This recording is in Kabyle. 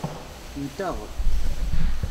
Nteɣ.